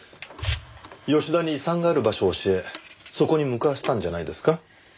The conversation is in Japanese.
吉田に遺産がある場所を教えそこに向かわせたんじゃないですか？